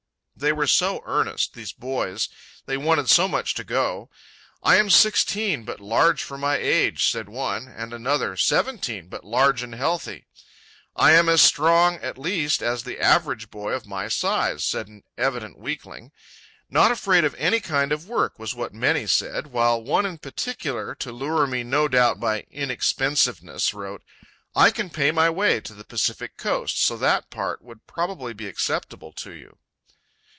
They were so earnest, these boys, they wanted so much to go. "I am sixteen but large for my age," said one; and another, "Seventeen but large and healthy." "I am as strong at least as the average boy of my size," said an evident weakling. "Not afraid of any kind of work," was what many said, while one in particular, to lure me no doubt by inexpensiveness, wrote: "I can pay my way to the Pacific coast, so that part would probably be acceptable to you."